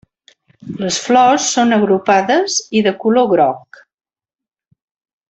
Les flors són agrupades i de color groc.